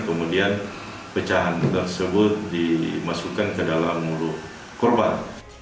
kemudian pecahan tersebut dimasukkan ke dalam mulut korban